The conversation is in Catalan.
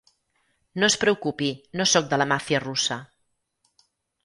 No es preocupi, no sóc de la màfia russa.